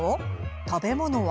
食べ物は？